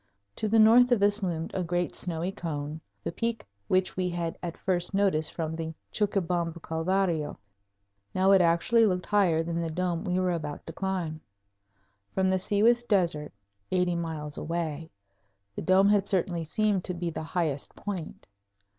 To the north of us loomed a great snowy cone, the peak which we had at first noticed from the Chuquibamba Calvario. Now it actually looked higher than the dome we were about to climb! From the Sihuas Desert, eighty miles away, the dome had certainly seemed to be the highest point.